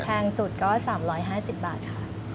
แพงสุดก็๓๕๐บาทค่ะ